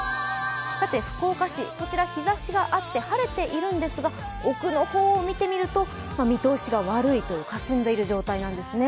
福岡市、こちら日ざしがあって晴れているんですが奥の方を見てみると見通しが悪いとかすんでいる状況なんですね。